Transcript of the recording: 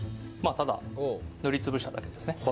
ただ塗りつぶしただけですね